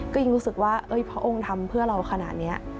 ก็ยิ่งรู้สึกว่าพระองค์ทำเพื่อเราขนาดนี้